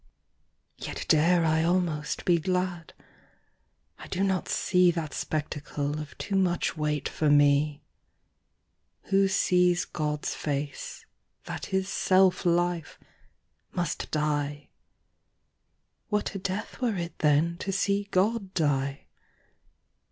Yet dare I'almost be glad, I do not seeThat spectacle of too much weight for mee. Who sees Gods face, that is selfe life, must dye; What a death were it then to see God dye?